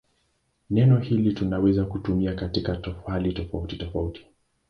Neno hili tunaweza kutumia katika hali tofautitofauti.